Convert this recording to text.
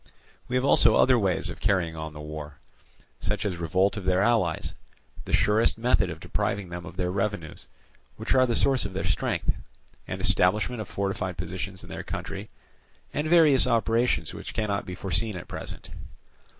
"We have also other ways of carrying on the war, such as revolt of their allies, the surest method of depriving them of their revenues, which are the source of their strength, and establishment of fortified positions in their country, and various operations which cannot be foreseen at present.